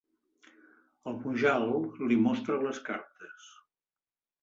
El Mujal li mostra les cartes.